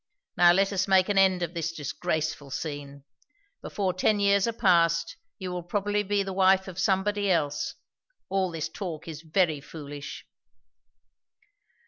Now let us make an end of this disgraceful scene. Before ten years are past, you will probably be the wife of somebody else. All this talk is very foolish."